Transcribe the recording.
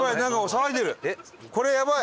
これやばい！